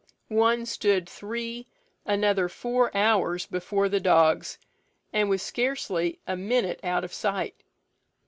One stood three, another four hours before the dogs, and was scarcely a minute out of sight.